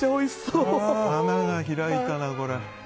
花が開いたな、これ。